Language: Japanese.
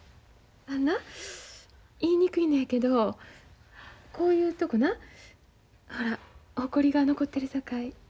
あのな言いにくいのやけどこういうとこなほらほこりが残ってるさかい